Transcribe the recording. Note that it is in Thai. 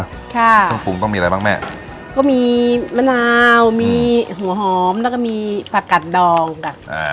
ค่ะต้องปรุงต้องมีอะไรบ้างแม่ก็มีมะนาวมีหัวหอมแล้วก็มีผักกัดดองค่ะอ่า